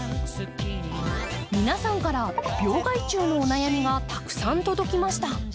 皆さんから病害虫のお悩みがたくさん届きました。